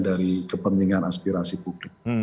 dari kepentingan aspirasi publik